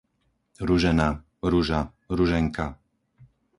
Ružena, Ruža, Ruženka